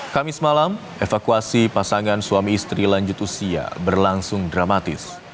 kamis malam evakuasi pasangan suami istri lanjut usia berlangsung dramatis